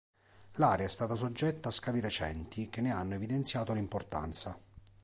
L'area è stata soggetta a scavi recenti, che ne hanno evidenziato l'importanza.